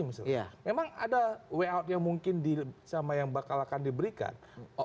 memang ada way out yang mungkin sama yang bakal akan diberikan